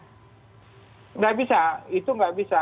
tidak bisa itu nggak bisa